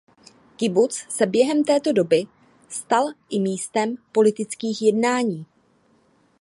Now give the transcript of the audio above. Kibuc se během této doby stal i místem politických jednání.